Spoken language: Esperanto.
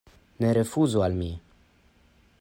Ne rifuzu al mi.